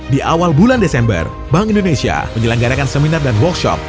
di awal bulan desember bank indonesia menyelenggarakan seminar dan workshop